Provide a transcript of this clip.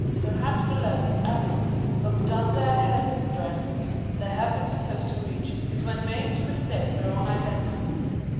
Perhaps the lowest abyss of dunder headedress they have been supposed to reach is when made to mistake their own identity.